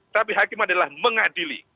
tapi hakim adalah mengadili